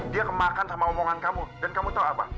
dia kemakan sama hubungan kamu dan kamu tau apa